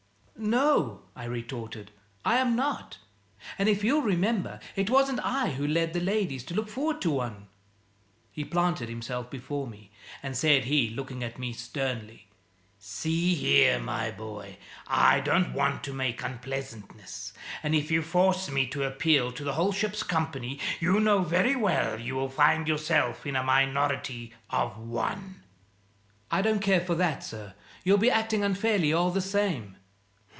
"No," I retorted; "I am not. And, if you'll remember, it wasn't I who led the ladies to look forward to one." He planted himself before me, and said he, looking at me sternly "See here, my boy, I don't want to make unpleasantness, and if you force me to appeal to the whole ship's company, you know very well you will find yourself in a minority of one." "I don't care for that, sir. You'll be acting unfairly, all the same."